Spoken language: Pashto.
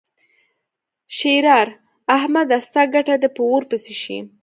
ښېرار: احمده! ستا ګټه دې په اور پسې شي.